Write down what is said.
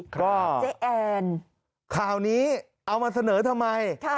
ครับเจ๊แอนคราวนี้เอามาเสนอทำไมค่ะ